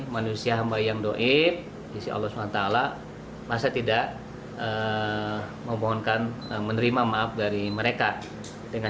manusia hamba yang doib isi allah swt masa tidak memohonkan menerima maaf dari mereka dengan